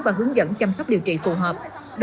và hướng dẫn chăm sóc điều trị phù hợp